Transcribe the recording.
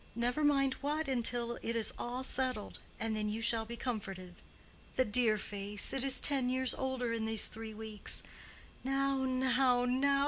Never mind what until it is all settled. And then you shall be comforted. The dear face!—it is ten years older in these three weeks. Now, now, now!